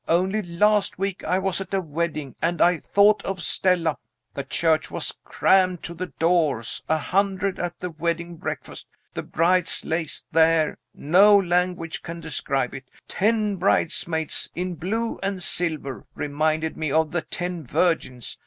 Only last week I was at a wedding, and I thought of Stella. The church was crammed to the doors! A hundred at the wedding breakfast! The bride's lace there; no language can describe it. Ten bridesmaids, in blue and silver. Reminded me of the ten virgins.